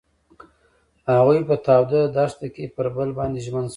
هغوی په تاوده دښته کې پر بل باندې ژمن شول.